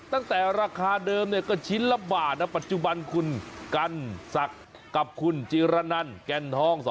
ตั้งแต่ราคาเดิมเนี่ยก็ชิ้นละบาทนะปัจจุบันคุณกันศักดิ์กับคุณจิรนันแก่นทอง